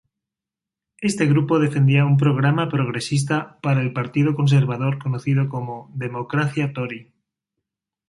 Este grupo defendía un programa progresista para el Partido Conservador conocido como 'democracia tory'.